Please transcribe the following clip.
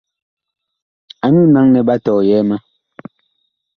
Anyuu naŋ nɛ ɓa tɔyɛɛ ma.